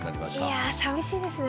いやあ寂しいですね。